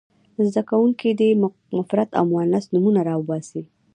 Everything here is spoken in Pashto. زده کوونکي دې مفرد او مؤنث نومونه را وباسي.